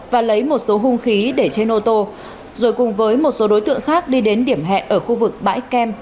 và lấy một số hung khí để trên ô tô rồi cùng với một số đối tượng khác đi đến điểm hẹn ở khu vực bãi kem